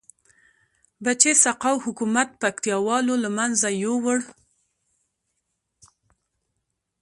بچه سقاو حکومت پکتيا والو لمنځه یوړ